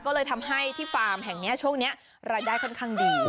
ก็เลยทำให้ที่ฟาร์มแห่งนี้ช่วงนี้รายได้ค่อนข้างดี